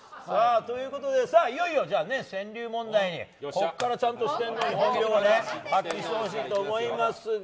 ということで、いよいよ川柳問題にここからちゃんと四天王の本領を発揮してほしいと思いますが。